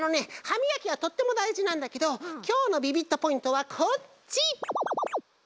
はみがきはとってもだいじなんだけどきょうのビビットポイントはこっち！